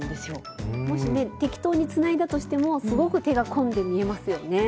もしね適当につないだとしてもすごく手が込んで見えますよね。